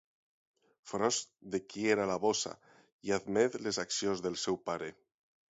Frost, de qui era la bossa, i admet les accions del seu pare.